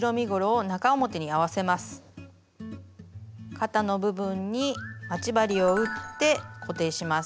肩の部分に待ち針を打って固定します。